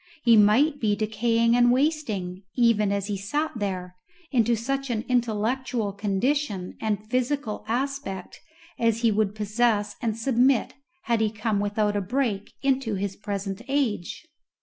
He might be decaying and wasting, even as he sat there, into such an intellectual condition and physical aspect as he would possess and submit had he come without a break into his present age.